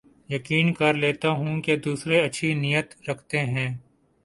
یقین کر لیتا ہوں کے دوسرے اچھی نیت رکھتے ہیں